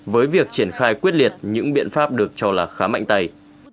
với việc triển khai quyết liệt những biện pháp được cho là khá mạnh tay